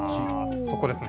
そこですね。